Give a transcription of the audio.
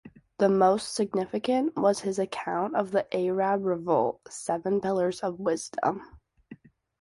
The most significant was his account of the Arab Revolt, "Seven Pillars of Wisdom".